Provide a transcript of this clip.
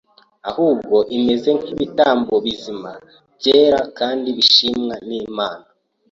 ahubwo imeze nk’ “ibitambo bizima, byera kandi bishimwa n’Imana